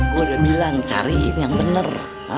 gua udah bilang cariin yang bener